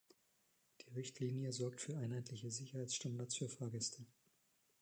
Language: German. Die Richtlinie sorgt für einheitliche Sicherheitsstandards für Fahrgäste.